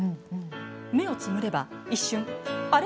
目をつむれば一瞬あれ？